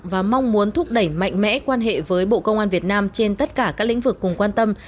và mong muốn thúc đẩy mạnh mẽ quan hệ với bộ công an việt nam trên tất cả các lĩnh vực cùng quan tâm